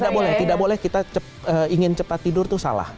tidak boleh tidak boleh kita ingin cepat tidur itu salah